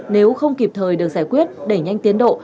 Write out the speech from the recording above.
nếu không kịp thời được giải quyết đẩy nhanh tiến độ